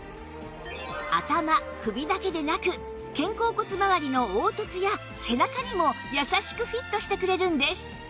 頭首だけでなく肩甲骨まわりの凹凸や背中にも優しくフィットしてくれるんです